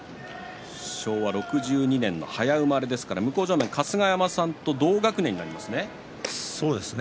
昭和６２年の早生まれですから向正面の春日山さんと同学年になりますね。